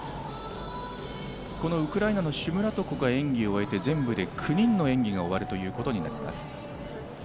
このウクライナのシュムラトコが演技を終えて全部で９人の演技が終わるということになります。